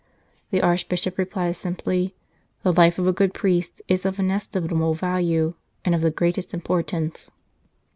The Archbishop replied simply: "The life of a good priest is of inestimable value and of the greatest importance."